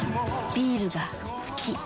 ビールが好き。